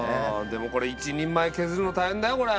でもこれ１人前削るの大変だよこれ。